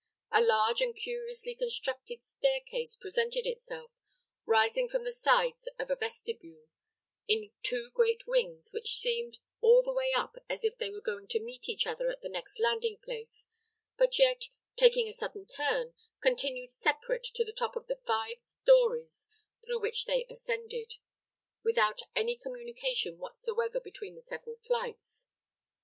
A large and curiously constructed stair case presented itself, rising from the sides of a vestibule, in two great wings, which seemed all the way up as if they were going to meet each other at the next landing place, but yet, taking a sudden turn, continued separate to the top of the five stories through which they ascended, without any communication whatsoever between the several flights.